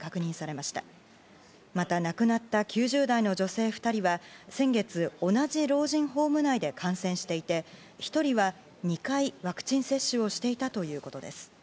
また、亡くなった９０代の女性２人は先月、同じ老人ホーム内で感染していて１人は２回ワクチン接種をしていたということです。